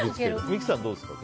三木さん、どうですか？